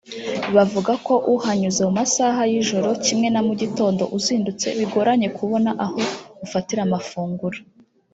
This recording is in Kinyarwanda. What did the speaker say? bavuga ko uhanyuze mu masaha y’ijoro kimwe na mu gitondo uzindutse biragoranye kubona aho ufatira amafunguro